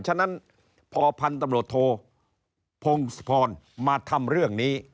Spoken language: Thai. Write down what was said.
ฉะนั้นพอพันธบทพงศพรมาทำเรื่องนี้